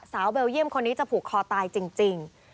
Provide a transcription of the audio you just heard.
เบลเยี่ยมคนนี้จะผูกคอตายจริง